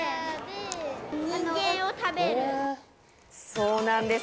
そうなんです。